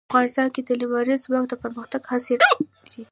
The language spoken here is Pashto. افغانستان کې د لمریز ځواک د پرمختګ هڅې روانې دي.